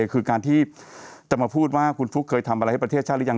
คือการที่จะมาพูดว่าคุณฟลุ๊กเคยทำอะไรให้ประเทศชาติหรือยัง